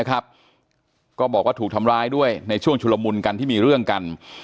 ก็บอกว่าถูกทำร้ายด้วยในช่วงชุลมุนกันที่มีเรื่องกัน